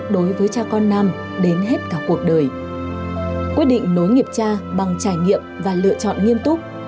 đối với cha con nam đến hết cả cuộc đời quyết định nối nghiệp cha bằng trải nghiệm và lựa chọn nghiêm túc